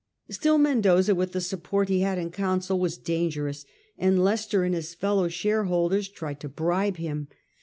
Still Mendoza, with the support he had in Council, was dangerous, and Leicester and his fellow share holders tried to bribe him.